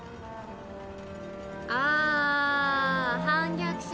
ああー反逆者